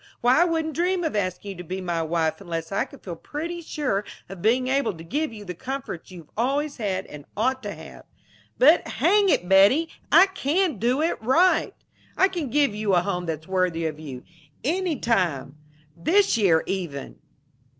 Why, I wouldn't dream of asking you to be my wife unless I could feel pretty sure of being able to give you the comforts you've always had and ought to have. But hang it, Betty, I can do it right! I can give you a home that's worthy of you. Any time! This year, even!"